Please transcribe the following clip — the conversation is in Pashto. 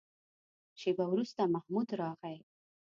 شېبه وروسته محمود راغی.